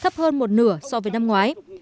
thấp hơn một nửa so với năm ngoái